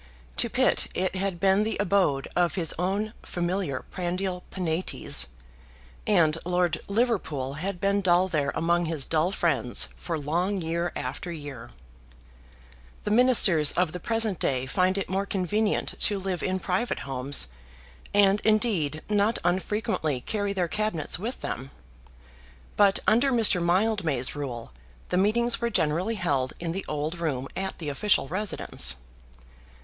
To Pitt it had been the abode of his own familiar prandial Penates, and Lord Liverpool had been dull there among his dull friends for long year after year. The Ministers of the present day find it more convenient to live in private homes, and, indeed, not unfrequently carry their Cabinets with them. But, under Mr. Mildmay's rule, the meetings were generally held in the old room at the official residence.